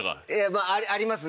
まぁありますね。